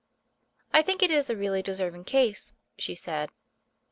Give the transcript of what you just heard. "I think it is a really deserving case," she said.